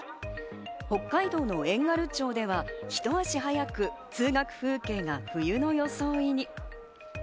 北海道の遠軽町では、ひと足早く通学風景が冬の装いに。